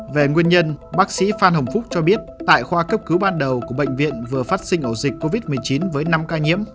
về nguyên nhân bác sĩ phan hồng phúc cho biết tại khoa cấp cứu ban đầu của bệnh viện vừa phát sinh ổ dịch covid một mươi chín với năm ca nhiễm